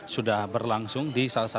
sudah berlangsung di salah satu